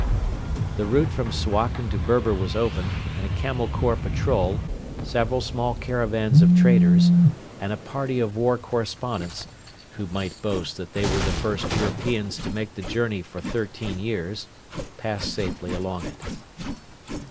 The route from Suakin to Berber was opened; and a Camel Corps patrol, several small caravans of traders, and a party of war correspondents who might boast that they were the first Europeans to make the journey for thirteen years passed safely along it.